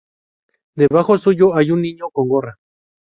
Debajo suyo hay un niño con gorra.